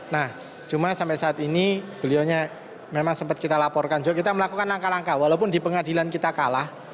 nah cuma sampai saat ini beliaunya memang sempat kita laporkan juga kita melakukan langkah langkah walaupun di pengadilan kita kalah